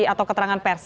atau keterangan pers